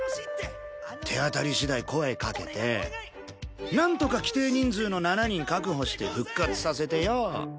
手当たり次第声かけてなんとか規定人数の７人確保して復活させてよ。